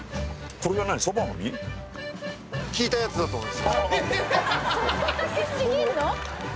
ひいたやつだと思います。